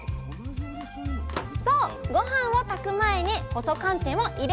そうごはんを炊く前に細寒天を入れるだけ！